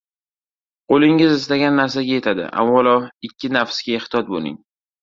Qo‘lingiz istagan narsaga yetadi. Avvalo, ikki nafsga ehtiyot bo‘ling.